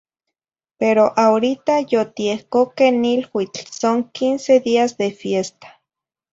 pero ahorita, yotiehcoqueh niluitl son quince días de fiesta.